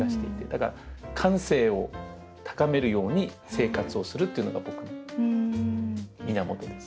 だから感性を高めるように生活をするっていうのが僕の源です。